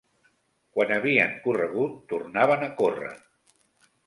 Quan havien corregut, tornaven a corre